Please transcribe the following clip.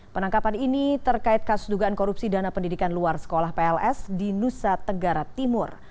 penangkapan ini terkait kasus dugaan korupsi dana pendidikan luar sekolah pls di nusa tenggara timur